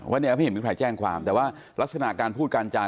วันนี้ไม่เห็นมีใครแจ้งความแต่ว่ารักษณะการพูดการจา